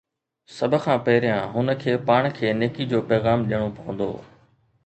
سڀ کان پهريان، هن کي پاڻ کي نيڪي جو پيغام ڏيڻو پوندو.